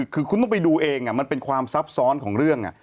คือคุณต้องไปดูเองมันเป็นความซับซ้อนของเรื่อง